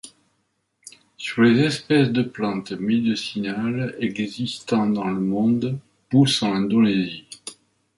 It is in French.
Sur les espèces de plantes médicinales existant dans le monde, poussent en Indonésie.